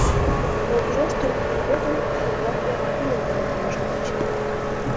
Волгыжаш тӱҥалме годым бурлак-влак пӱйым кырен помыжалтыч.